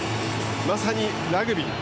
まさにラグビー。